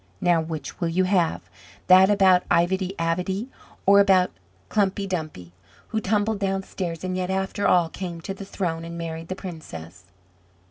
Now which will you have: that about Ivedy Avedy, or about Klumpy Dumpy who tumbled downstairs, and yet after all came to the throne and married the princess?"